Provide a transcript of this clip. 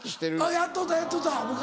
やっとったやっとった昔。